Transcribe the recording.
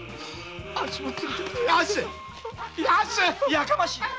やかましい！